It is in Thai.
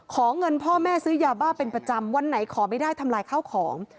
เงินพ่อแม่ซื้อยาบ้าเป็นประจำวันไหนขอไม่ได้ทำลายข้าวของ